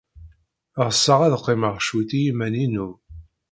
Ɣseɣ ad qqimeɣ cwiṭ i yiman-inu.